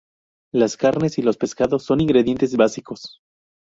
Las carnes y los pescados son ingredientes básicos.